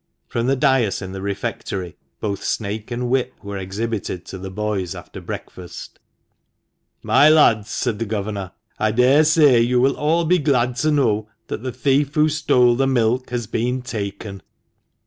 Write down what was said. From the dais in the refectory both snake and whip were exhibited to the boys after breakfast. " My lads," said the governor, " I daresay you will all be glad to know that the thief who stole the milk has been taken."